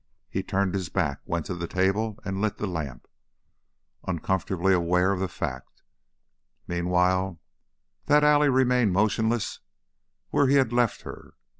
He turned his back, went to the table and lit the lamp, uncomfortably aware of the fact, meanwhile, that Allie remained motionless where he had left her.